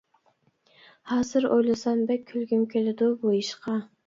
ھازىر ئويلىسام بەك كۈلگۈم كېلىدۇ بۇ ئىشقا.